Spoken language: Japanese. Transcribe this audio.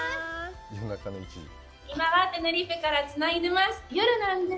今はテネリフェからつないでいます。